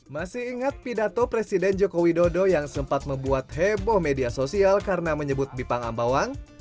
masih ingat pidato presiden joko widodo yang sempat membuat heboh media sosial karena menyebut bipang ambawang